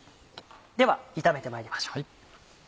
では炒めてまいりましょう。